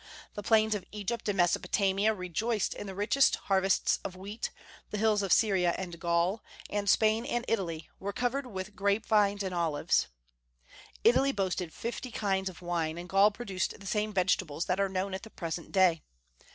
The plains of Egypt and Mesopotamia rejoiced in the richest harvests of wheat; the hills of Syria and Gaul, and Spain and Italy, were covered with grape vines and olives. Italy boasted of fifty kinds of wine, and Gaul produced the same vegetables that are known at the present day.